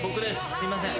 すいません。